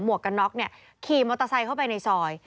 วกกันน็อกเนี่ยขี่มอเตอร์ไซค์เข้าไปในซอย